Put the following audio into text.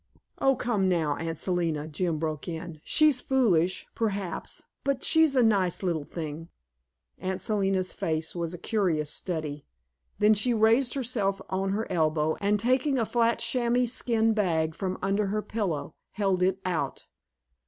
"Oh, come now, Aunt Selina," Jim broke in; "she's foolish, perhaps, but she's a nice little thing." Aunt Selina's face was a curious study. Then she raised herself on her elbow, and, taking a flat chamois skin bag from under her pillow, held it out.